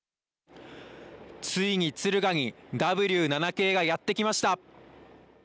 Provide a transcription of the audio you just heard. ついに敦賀にＷ７系がやってきました。